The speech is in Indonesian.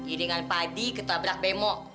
iringan padi ketabrak bemo